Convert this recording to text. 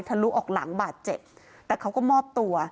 ลุออกหลังบาดเจ็บแต่เขาก็มอบตัว